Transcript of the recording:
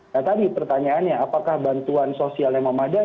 nah tadi pertanyaannya apakah bantuan sosial yang memadai